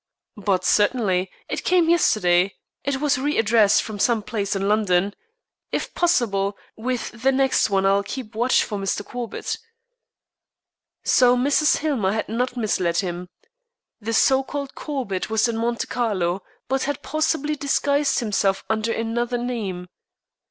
"But certainly. It came yesterday. It was re addressed from some place in London. If possible, with the next one I will keep watch for Mr. Corbett." So Mrs. Hillmer had not misled him. The so called Corbett was in Monte Carlo, but had possibly disguised himself under another name.